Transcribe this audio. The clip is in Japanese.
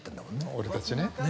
俺たちね。